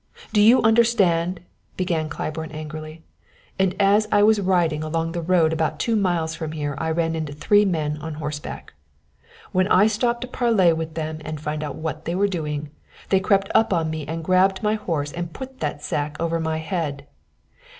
Do you understand?" began Claiborne angrily. "And as I was riding along the road about two miles from here I ran into three men on horseback. When I stopped to parley with them and find out what they were doing, they crept up on me and grabbed my horse and put that sack over my head.